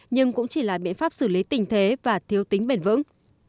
nhưng cũng chỉ là biện pháp xử lý tình thế và thiếu tính bền vững